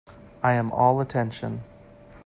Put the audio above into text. I am all attention.